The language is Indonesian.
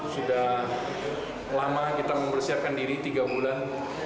sudah lama kita mempersiapkan diri tiga bulan